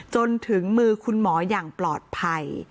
จนถึงมือคุณหมออย่างปลอดภัย